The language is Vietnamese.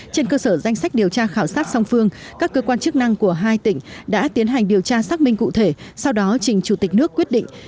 trên cơ sở danh sách điều tra khảo sát song phương các cơ quan chức năng của hai tỉnh đã tiến hành điều tra xác minh cụ thể sau đó trình chủ tịch nước quyết định